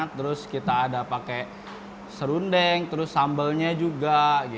terus kita ada pakai serundeng terus sambalnya juga